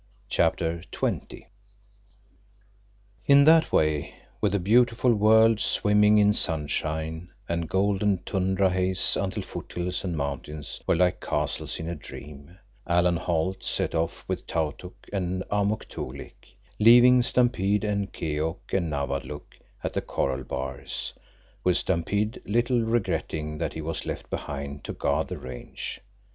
CHAPTER XX In that way, with the beautiful world swimming in sunshine and golden tundra haze until foothills and mountains were like castles in a dream, Alan Holt set off with Tautuk and Amuk Toolik, leaving Stampede and Keok and Nawadlook at the corral bars, with Stampede little regretting that he was left behind to guard the range.